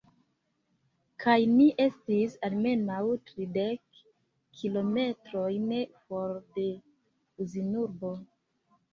Kaj ni estis almenaŭ tridek kilometrojn for de Uzinurbo.